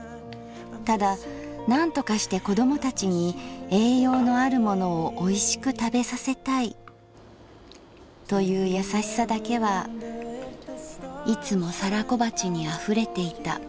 ただなんとかして子供たちに栄養のあるものをおいしく食べさせたいというやさしさだけはいつも皿小鉢に溢れていた」。